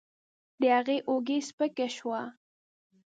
هغې اوږه سپکه شوه.